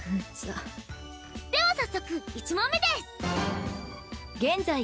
では早速１問目です。